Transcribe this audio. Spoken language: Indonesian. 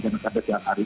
jangan kaget tiap hari